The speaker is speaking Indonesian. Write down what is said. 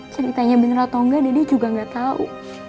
ceritanya bener atau engga dede juga engga tau